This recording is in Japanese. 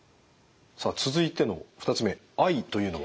さあ続いての２つ目Ｉというのは？